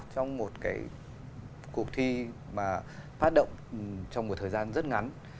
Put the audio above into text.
trong một cuộc thi phát động trong một thời gian rất ngắn